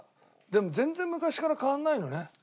でも全然昔から変わらないのね。